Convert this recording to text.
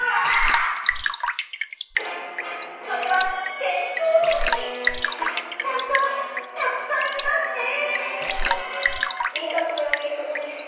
それはホントたくさんいますねえ！